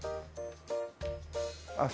あっ。